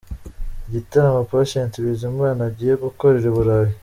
Igitaramo Patient Bizimana agiye gukorera i Burayi.